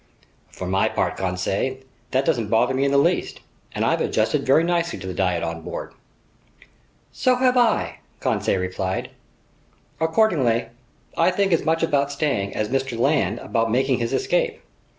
"For my part, Conseil, that doesn't bother me in the least, and I've adjusted very nicely to the diet on board." "So have I," Conseil replied. "Accordingly, I think as much about staying as Mr. Land about making his escape.